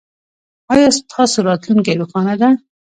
ایا ستاسو راتلونکې روښانه ده؟